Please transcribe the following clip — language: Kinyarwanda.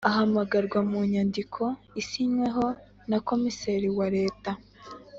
ahamagarwa mu nyandiko isinyweho nakomiseri wa leta